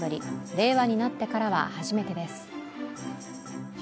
令和なってからは初めてです。